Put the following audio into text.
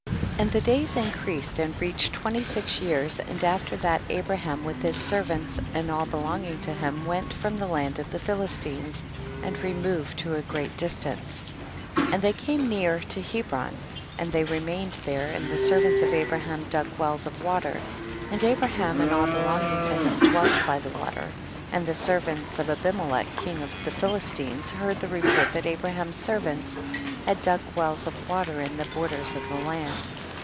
4. And the days increased and reached twenty six years, and after that Abraham with his servants and all belonging to him went from the land of the Philistines and removed to a great distance, and they came near to Hebron, and they remained there, and the servants of Abraham dug wells of water, and Abraham and all belonging to him dwelt by the water, and the servants of Abi melech king of the Philistines heard the report that Abraham's servants had dug wells of water in the bor ders of the land.